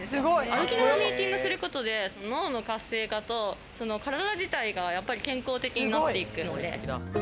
歩きながらミーティングすることで、脳の活性化と体自体がすごく健康的になっていくので。